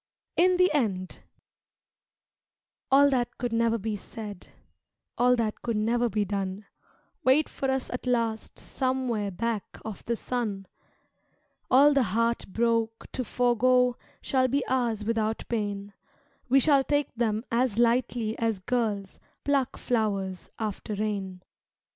In the End All that could never be said, All that could never be done, Wait for us at last Somewhere back of the sun; All the heart broke to forego Shall be ours without pain, We shall take them as lightly as girls Pluck flowers after rain.